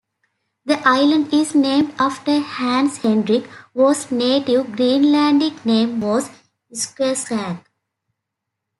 The island is named after Hans Hendrik, whose native Greenlandic name was "Suersaq".